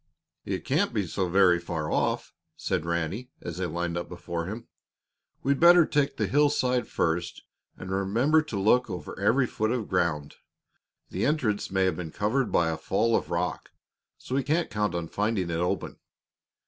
"It can't be so very far off," said Ranny, as they lined up before him. "We'd better take the hillside first, and remember to look over every foot of ground. The entrance may have been covered by a fall of rock, so we can't count on finding it open.